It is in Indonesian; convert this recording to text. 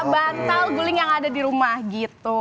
bantal guling yang ada di rumah gitu